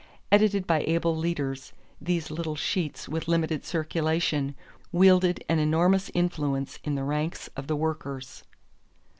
Edited by able leaders, these little sheets with limited circulation wielded an enormous influence in the ranks of the workers.